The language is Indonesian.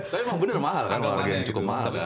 tapi emang bener mahal kan olahraga yang cukup mahal kan